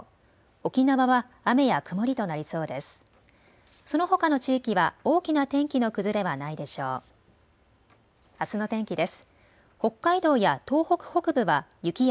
沖縄は雨や曇りとなりそうです。